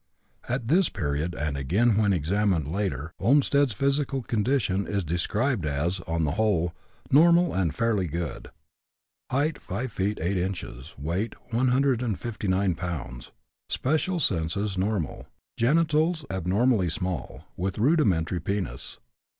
At this period, and again when examined later, Olmstead's physical condition is described as, on the whole, normal and fairly good. Height, 5 feet 8 inches; weight, 159 pounds. Special senses normal; genitals abnormally small, with rudimentary penis.